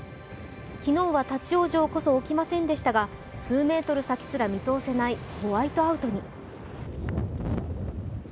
昨日は立ち往生こそ起きませんでしたが、数メートル先すら見通せないホワイトアウトに。